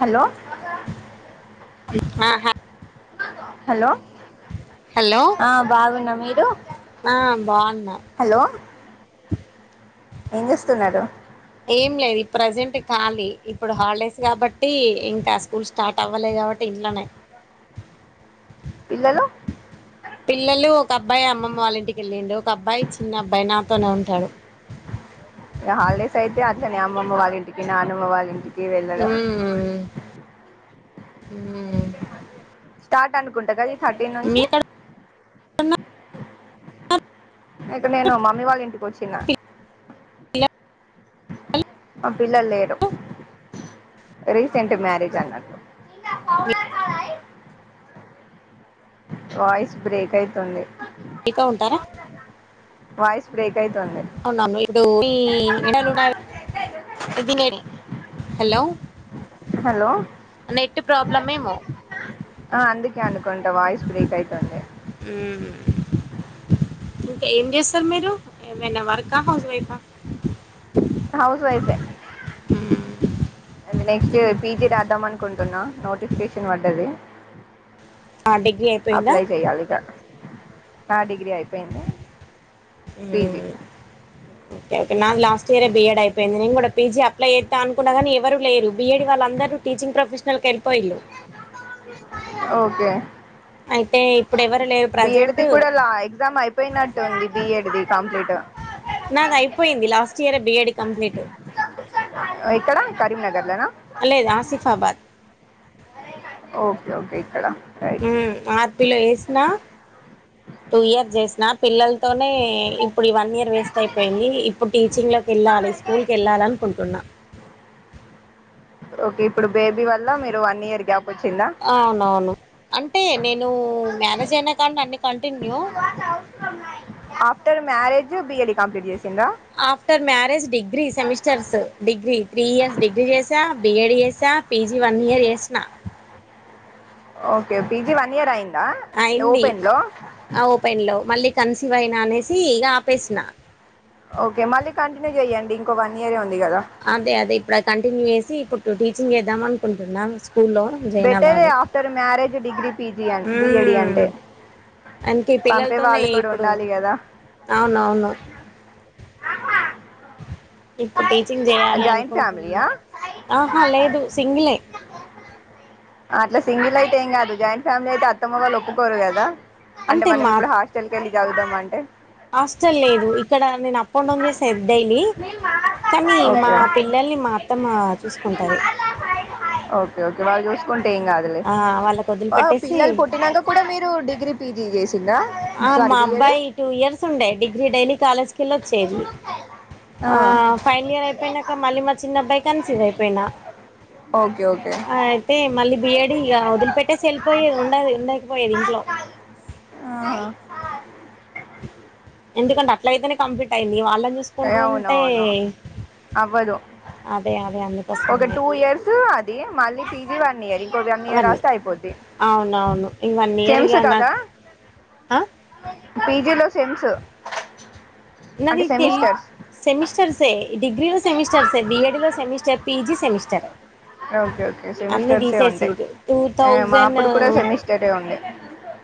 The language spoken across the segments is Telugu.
హలో మ్ ఆ హా హలో హలో ఆ బాగున్న మీరు ఆ బాగున్నా హలో ఏం చేస్తున్నారు ఏం లేదు ప్రజెంట్ కాలీ ఇప్పుడు హాల్డేస్ కాబట్టి ఇంకా స్కూల్ స్టార్ట్ అవ్వలే కావట్టి ఇన్లనే పిల్లలు పిల్లలు ఒక అబ్బాయి అమ్మమ్మ వాళ్ళ ఇంటికి వెళ్ళిండి ఒక అబ్బాయి చిన్న అబ్బాయి నా ఇగ హాలిడేస్ అయితే అట్లనే అమ్మమ్మ వాళ్ళింటికి నానమ్మ వాళ్ళింటిక్ కి వెళ్ళడం ఉమ్ ఉమ్ స్టార్ట్ అనుకుంటగా ఈ థర్టీన్ నుంచి మీక్కడ కన్ ఇక్కడ నేను మమ్మీ వాళ్ళింటికొచ్చిన ఇగ మాక్ పిల్లల్ లేరు రీసెంట్ మ్యారేజ్ అన్నట్లు వాయిస్ బ్రేక్ అయితుంది మీతో ఉంటారా వాయిస్ బ్రేక్ అయితుంది అవున మీరు మీ [unintelligible] హలో హలో నెట్ ప్రాబ్లమ్ ఏమో ఆ అందుకే అనుకుంట వాయిస్ బ్రేక్ అయితుంది ఇంక ఏం చేస్తారు మీరు? ఏమైనా వర్కా, హౌస్ వైఫా హౌస్ వైఫె ఇంగ నెక్స్ట్ఇయర్ పీ జి రాద్దమన్కుంట్ టున్నా నోటిఫికేషన్ పడ్డది ఆ డిగ్రీ అయిపోయిందా అప్లై చేయాలిగ హా డిగ్రీ అయిపోయింది పీ జి మ్మ్. ఓకే నాది లాస్ట్ ఇయరే బీ ఎడ్ అయిపోయింది నేన్ గూడ పీ జీ అప్లై చేత్తా అనుకున్నగనీ ఎవరు లేరు బీ ఎడ్ వాళ్ళందరూ టీచింగ్ ప్రొఫెషనల్ కెల్ ఓకే అయితే ఇప్పుడు ఎవరు లేరు బీ ఎడ్ ప్రజెంట్ ది కూడ లా ఎగ్జామ్ అయిపోయినట్టుంది బీ ఎడ్ ది కంప్లీట్ నాదయిపోయింది లాస్ట్ ఇయరె బి ఎడ్ కంప్లీట్ అ ఎక్కడ కరీంనగర్ లనా లేదు ఆసిఫాబాద్ ఓకే ఓకే ఇక్కడ రైట్ ఉమ్ ఆర్ పి లో చేసినా టూ ఇయర్స్ చేసినా పిల్లల్ తోనే ఇప్పుడు ఇ వన్ ఇయర్ వేస్ట్ అయిపోయింది ఇప్పుడు టీచింగ్ లోకి ఎళ్ళాలి స్కూల్కెళ్ళాలి అనుకుంటున్నా ఓకే ఇప్పుడు బేబీ వల్ల మీరు వన్ ఇయర్ గ్యాప్ వచ్చిందా అవునవును అంటే నేను మ్యారేజ్ అయినా కాడ్నుండి అన్ని continue after marriage B Ed complete చేసింరా after marriage degree semesters degree three years degree చేసా, బి ఎడ్ చేసా పీ జి వన్ ఇయర్ జేస్తున్న okay P G one year అయింద్ అయింది ఆ ఓపెన్ లో మళ్ళీ కన్సివైన అనేసి ఇగ ఆపేసిన ఓకే మళ్ళీ కంటిన్యూ జెయ్యండి ఇంకో వన్ ఇయరే ఉన్ అదే అదే ఇప్పుడది కంటిన్యూ చేసి ఇప్పుడు టీచింగ్ చేద్దాం అనుకుంటున్నా స్కూల్లో జయిన్ బెటరే అవ్వాలి ఆఫ్టర్ మ్యారేజ్ డిగ్రీ పీజీ అ బిఎడి అంటే అంతె పంపే పిల్లలతోనే వాళ్ళు కూడా ఇప్పుడు ఉండాలి కదా అవునవును ఇప్పుడు టీచింగ్ జేయాలి జాయింట్ ఫ్యామిలీయా అనుకుంటున్నా ఆహా లేదు సింగిలే అట్ల సింగిల్ అయితే ఏం గాదు జాయింట్ ఫ్యామిలీ అయితే అత్తమ్మ వాళ్ళు ఒప్పుకోరు గదా అంటే మనం ఇప్పుడు హాస్టల్ కేళ్ళి చాదువుదాం అంటే హాస్టల్ లేదు ఇక్కడ నేను అప్ అండ్ డౌన్ చేసేది డైలీ కానీ మా ఓకే పిల్లల్ని మా అత్తమ్మ చూసుకుంటది ఓకే ఓకే వాళ్ళు చూసుకుంటే ఏం కాదులే ఆ వాళ్ళకు వదిలిపెట్టేసి పిల్లలు పుట్టినంక కూడా మీరు డిగ్రీ పీజీ చేసి ఆ మా అబ్బాయి టూ ఇయర్స్ ఉండే డిగ్రీ డైలీ కాలేజ్ కెళ్ళి వచ్చేది ఆ ఫైనల్ ఇయర్ అయిపోయినాక మళ్ళీ మా చిన్నబ్బాయి కన్సీవ్ అయిపోయినా ఓకే ఓకే అయితే మళ్ళీ బిఏడి ఇగ వదిలిపెట్టేసి వేళ్ళిపోయి ఉండది ఉండకపోయేది ఇంట్లో అ ఎందుకంటే అట్లా అయితేనే కంప్లీట్ అయింది వాళ్ళ ఏ అవునవును అవ్వదు అదే అదే ఒక అందుకోసమనే టూ ఇయర్స్ అది మళ్ళీ పీజి వన్ ఇయర్ ఒగ వన్ ఇయర్ రాస్తే అయిపోద్ది అవునవును ఈ వన్ ఇయర్ ఇగ సేమ్స్ కదా నాకు పీజీలో సెమ్స్ అంటే నాది తెల్ సెమిస్టర్స్ సెమిస్టర్స్ ఏ డిగ్రీలో సెమిస్టర్ సే బిఎడిలో semester PG semester okay okay అన్ని సెమిస్టర్సే తీసేసి ఉంటాయి ఇంటి టూ మా థౌసండ్ అప్పుడు కూడా సెమిస్టరే ఉండే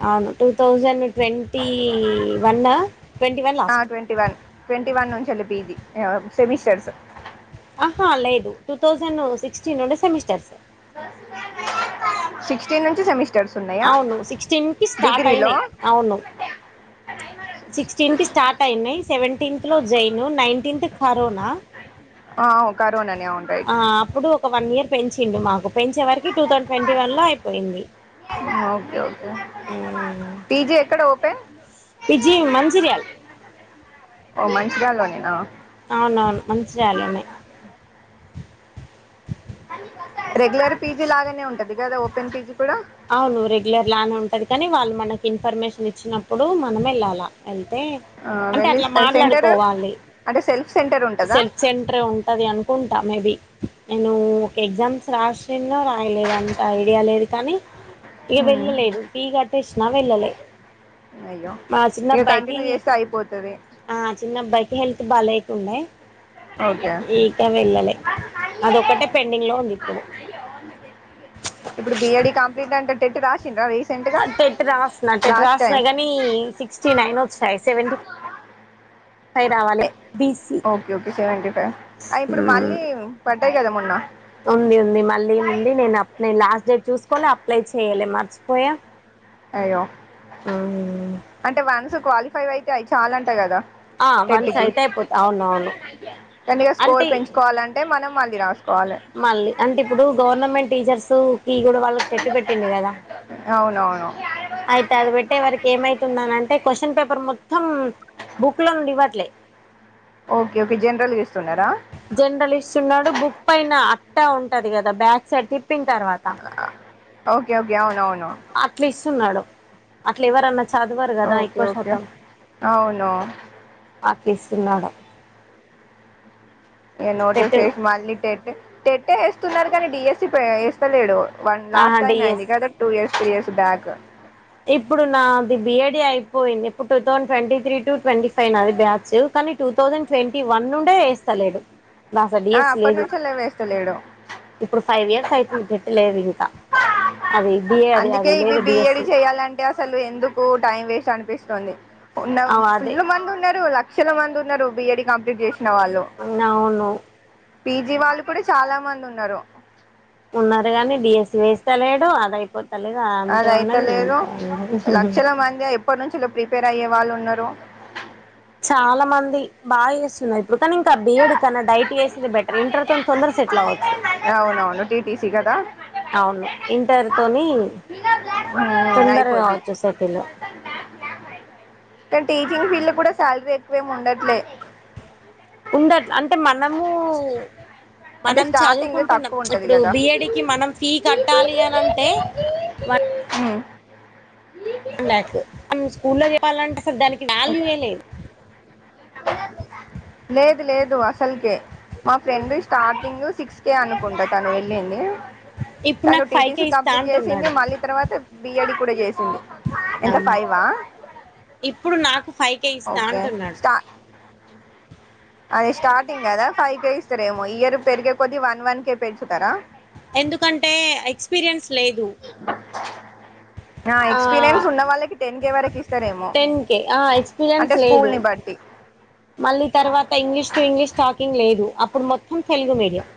అవును టూ థౌసండ్ ట్వంటీ వన్ ఆ ఆ ట్వంటీ వన్ ట్వంటీ వన్ నుంచి పీజీ ఏ సెమిస్టర్స్ ఆహా లేదు టూ థౌసండ్ సిక్స్టీీన్ నుండి సెమస్టర్స్ సిక్స్టీన్ నుంచి సెమిస్ అవును సిక్స్టీన్ కి స్టార్ట్ అయినాయి అవును సిక్స్టీన్త్ కి స్టార్ట్ అయినాయి సెవెంటీన్త్ లో జైన్ నైన్టీన్త్ కరోనా ఆ ఓ ఆ అప్పుడు ఒక వన్ ఇయర్ పెంచిండు మాకు పెంచే వరకి టూ థౌసండ్ ట్వంటీ వన్ లో అయిపోయింది ఉమ్, పీజీ ఎక్కడ ఓపెన్ పిజి మంచిరియాల్ ఓ మంచిర్యాలలోనేనా అవునవును మంచిర్యాల నే రెగ్యులర్ పీజీ లాగానే ఉంటది కదా ఓపెన్ పీజీ కూడా అవును రెగ్యులర్ లానే ఉంటది కానీ వాళ్ళు మనకి ఇన్ఫర్మేషన్ ఇచ్చినప్పుడు మనం వెళ్ళాలా వెళ్ టే ఆ అంటే వెళ్ళి అట్లా సెంటర్ మాట్లాడుకోవాలి అంటే సెల్ఫ్ సెంటర్ ఉంటదా సెల్ఫ్ సెంటర్ ఏ ఉంటది అనుకుంటా మేబి నేను ఒక ఎగ్జామ్స్ రాసిన్నో రాయలేదు అంత ఐడియా లేదు కానీ ఏ ఉమ్ వెళ్ళలేదు పి కట్టేసినా వెళ్ళలే అయ్యో మా చిన్న ఇక అబ్బాయికి కంటిన్యూ చేస్తే అయిపోతది ఆ చిన్న అబ్బాయికి హెల్త్ బాలేదు ఉండా ఓకే ఇక వెళ్ళలే అదొక్కటే పెండింగ్ లో ఉంది ఇప్పుడు ఇప్పుడు బిఏడి కంప్లీట్ అంటే టెట్ రాసిండ్రా రీసెంట్ గా టెట్ రాసిన టెట్ లాస్ట్ రాసిన టైం కాని సిక్స్టీ నైన్ వచ్చాయి సెవెంటీ పై రావాలి BC okay okay seventy five ఇప్పుడు మళ్ళీ పడ్డాయి కదా మొన్న ఉంది ఉంది మళ్ళీ ఉంది నేను అప్లై లాస్ట్ చూసుకోలే అప్లై చెయాలే మర్చిపోయా అయ్యో అంటే వన్స్ క్వాలిఫై అయితే చాలంట కదా ఆ వన్స్ అయితే అయిపోత అవునవును దండిగా స్కోర్ అంటే పెంచుకోవాలంటే మనం మళ్ళీ రావా మళ్ళీ అంటే ఇప్పుడు గవర్నమెంట్ టీచర్స్ కి కూడా వాళ్ళకి టెట్ పెట్టిండు కదా అవునవును అయితే అది పెట్టే వరకి ఏమైతుందనంటే క్యూషన్ పేపర్ పర్ మొత్తం బుక్ లో నుండి ఇవ్వట్లే ఓకే ఓకే జనరల్గా చే జనరలిస్ట్ ఉన్నాడు బుక్ పైన అట్టా ఉంటది కదా బ్యాక్ సైట్ ప్పిన్ తర్వాత ఓకే ఓకే అవునవును కూచున్నాడు అట్లా ఎవరన్నా చదివరు కదా ఓకే ఎక్కువ ఓకే శాతం అవును ఆకస్తున్నాడు ఏ నోట చేసి మళ్ళీ టెట్ టెట్టే వేస్తున్నారు కానీ డిఎస్స వేస్తలేడు వన్ ఆహా లాస్ట్ టైమ్ అయింది డిఎస్ కదా two years three years back ఇప్పుడు నాది బిఏడి అయిపోయింది ఇప్పుడు two thousand twenty three to twenty five నా అది బ్యాచ్ కానీ టూ థౌజండ్ ట్వంటీ వన్ నుండే వేస్తలేడు అసల ఆ, డిఎస్ అప్పటి లేదు నుంచి అలా వేస్తలేడు ఇప్పుడు ఫైవ్ ఇయర్స్ అయితుంది పెట్టు లేవు ఇంకా అది బిఏ అది అందుకే అది ఇవి లేదు బిఏడి డిఎస్సి చెయాలంటే అసలు ఎందుకు టైం వేస్ట్ అనిపిస్తుంది ఉన్న అదే ఫుల్ల మంది ఉన్నారు లక్షల మంది ఉన్నారు బిఈడి కంప్లీట్ చేసి అవును పీజీ వాళ్ళు కూడా చాలా మంది ఉన్నారు ఉన్నారు గాని డీఎస్సీ వేస్త లేడు అదయిపోతే అద అయితేలేదు ఉన్నది లక్షల మంది ఎప్పటి నుంచి ప్రీ రిపేర్ అయ్యే వాళ్ళు ఉన్నారు చాలా మంది బాగా చేస్తున్నాయి ఇకని ఇంకా బిఎడ్ కన్నా డైటీ వేసింది బెటర్ ఇంటర్ తోనీ తొందరగా సెటిల్ అవచ్చు అవునవును టీటీసీ కదా అవును ఇంటర్ తోని మ్మ్ అయిపోద్ది తుందరగావచ్చు సెటిల్ కానీ టీచింగ్ ఫీల్డ్ లో కూడా శాలరీ ఎక్కువేమి ఉండట్లే ఉండదు అంటే మనము అంటే మనం స్టార్టింగ్ చదువుకుంటున్నాం తక్కువ ఉంటది ఇప్పుడు కదా బిఏడి కి మనం ఫీ కట్టాలి అని అంటే మ్మ్ వన్ ల్యాక్ మన స్కూల్లో చెవ్వాలంటే ఆసలు దానికి వాల్యూ ఏ లే లేదు లేదు అసలుకే మా ఫ్రెండ్ స్టార్టింగ్ సిక్స్ కే అను అనుకుంట తను వెళ్ళింది ఇప్పుడు తను నాకు ఫైవ్ కే టీటీసి ఇస్తా కంప్లీట్ చేసింది అంటున్నాడు మళ్ళీ తర్వాత బీఎడి కూడా ఆ ఎంత మరి ఫైవా ఇప్పుడు నాకు ఫైకే ఇస్తా ఓకే అంటున్నాడు అది స్టార్టింగ్ కదా ఫైవ్ కే ఇస్తారేమో ఇయర్ పెరిగే కొద్ది వన్ వన్ కే పెంచుతారా ఎందుకంటే ఎక్స్పీరియన్స్ లేదు ఆ ఎక్స్పీరియన్స్ ఉన్న వాళ్ళకి టెన్ కేె వరకు ఇస్తారేమో టెన్ కే ఆ ఎక్స్పీరియన్స్ అంటే స్కూల్ లేదు ని బట్టి మళ్ళీ తర్వాత ఇంగ్లీష్ టు ఇంగ్లీష్ టాకింగ్ లేదు అప్పుడు మొత్తం తెలుగు మీడియం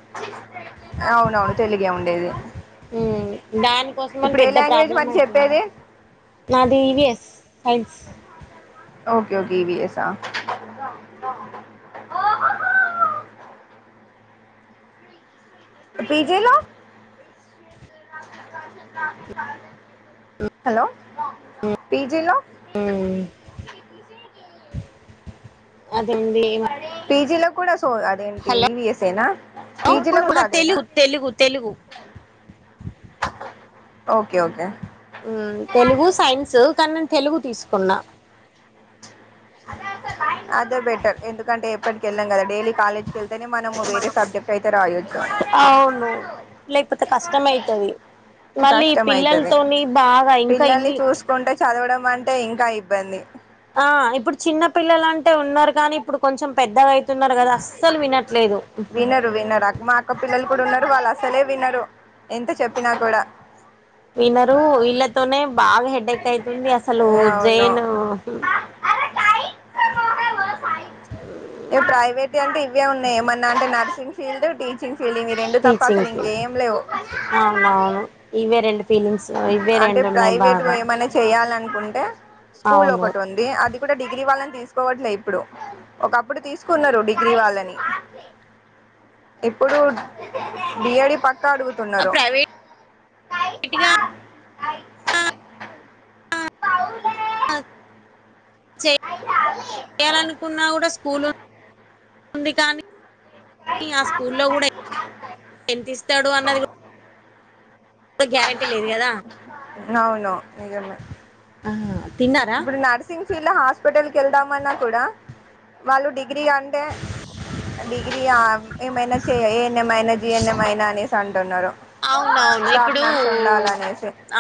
అవునవును తెలుగే ఉండేది ఉ దానికోసం మని ఇప్పుడు ఏ పెద్ద లాంగ్వేజ్ ప్రాబ్లం మరి అవుతుంది చెప్పేది నాది ఇవిఎస్ సైన్స్ ఓకే ఓకే ఈవిీఎస్ఆ పీజీలో హలో పిజిలో అదేండి పీజీలో కూడా అస్ సో అదేంటి హలో ఈవిఎస్ఏనా పిజిలో కూడా హ అదేనా తెలుగు తెలుగు తెలుగు ఓకే ఓకే హ్మ్మ్ తెలుగు సైన్స్ కానీ నేను తెలుగు తీసుకున్నా అదే బెటర్ ఎందుకంటే ఎప్పటికి ఎల్లాం కదా డైలీ కాలేజ్కి వెళ్తేనే మనము వేరే సబ్జెక్ట్ అయితే రాయొచ్చు అవును లేకపోతే కష్టమయితది మళ్ళీ కష్టం అయితది పిల్లలతోని బాగా ఇంకా పిల్లల్ని ఇన్ని చూసుకుంటే చదవడం అంటే ఇంకా ఇబ్బంది ఆ ఇప్పుడు చిన్న పిల్లలు అంటే ఉన్నారు కానీ ఇప్పుడు కొంచెం పెద్దగాయితే వినరు వినరు అ మా అక్క పిల్లలు ఇప్పుడున్నారు వాళ్ళు అసలే వినరు ఎంత చెప్పినా కూడా వినరు ఇల్లాతోనేె బాగా హెడేక్ అయితుంది అసలు అవును జైన్ ఇ ప్రైవేట్ అంటే ఇవే ఉన్నాయి ఏమన్నా అంటే నర్సింగ్ ఫీల్డ్ టీచింగ్ ఫీలింగ్ మీ రెండు తప్ప టీచింగ్ అసలు కి ఇంకేం లేవు అవునవును ఇవే రెండు ఫీలింగ్స్ ఇవే అంటే రెండు ఉన్నాయి ప్రైవేట్గా బాగా ఏమైనా చెయ్ చేయాలనుకుంటే స్కూల్ అవును ఒకటి ఉంది అది కూడా డిగ్రీ వాళ్ళని తీ తీసుకోవట్లే ఇప్పుడు ఒకప్పుడు తీసుకున్నారు డిగ్రీ వాళ్ళని ఇప్పుడు బియడి పక్కా అడుగుతున్నారు ప్రైవేట్ గా పావులే చేయాలనుకున్నా కూడా స్కూల్ ఉంది కానీ ఆ స్కూల్లో కూడా ఎంతిస్తాడు అన్నది గ్యారం అవును నిజమే ఆ తిన్నారా ఇప్పుడు నర్సింగ్ ఫీల్డ్ హాస్పిటల్ కి వెళ్దామన్నా కూడా వాళ్ళు డిగ్ డిగ్రీ అంటే డిగ్రీ ఏమైనా చె ఏన్ఎంయినా జిఎన్ఎంమయినా అనేసి తండున్నారు అవునవును ఇప్పుడు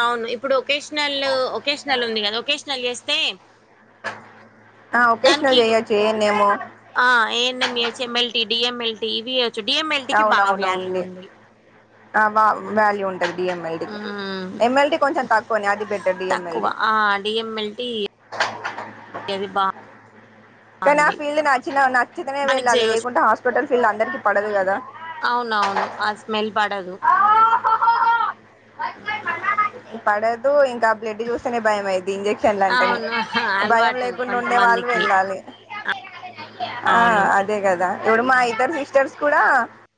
అవును ఇప్పుడు ఒకేషనల్ ఒకేషనల్ ఉంది కదా ఒకేషనల్ చేస్తే ఆ దన్కి ఒకేషనల్ చేయొచ్చు ఏన్నేమో ఆ ఎన్నమిచమ్ మల్ డిఎంఎల్టి ఇవియవచ్చు డిఎంఎల్టిికి బాగా వ్యాల్యూ అవునవునండి ఉంది ఆ వా వాల్యూ ఉన్ డిఎంఎల్డి మ్మ్ ఎంఎల్డి కొంచెం తక్కువని అది బేట్టర్ డిఎంఎల్డి ఏవి బా కానీ ఆ ఫీల్డ్ నచ్చిన నచ్చితేనే దానికి వెళ్ళాలి చేయొచ్చు లేకుంటే హాస్పిటల్ ఫీల్డ్ అందరికి పడదు కదా అదు పడదూ ఇంక్ కా బ్లడ్ చూస్తేనే భయం అయిద్ది ఇంజెక్షన్ లంటనే. అవును భయం అలవాటు లేకుండ ఉండే వాళ్ళు కొంతమందికి వెళ్ళాలి. ఆ అవును అదే గదా ఇప్పుడు మా ఇద్దరు సిస్టర్స్ కూడా.